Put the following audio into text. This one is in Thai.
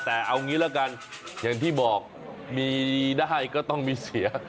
แต่เอางี้ละกันอย่างที่บอกมีได้ก็ต้องมีเสีย